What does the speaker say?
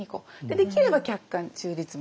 できれば客観中立も。